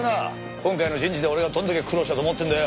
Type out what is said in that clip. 今回の人事で俺がどれだけ苦労したと思ってんだよ。